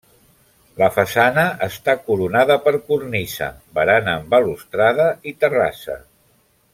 La façana està coronada per cornisa, barana amb balustrada i terrassa.